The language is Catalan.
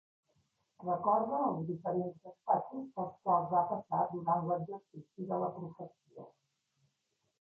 Recorda els diferents despatxos pels quals va passar durant l'exercici de la professió.